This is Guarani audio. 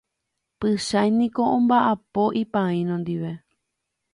Pychãi niko omba'apo ipaíno ndive.